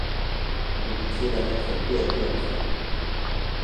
Une amitié va naitre peu à peu entre elles.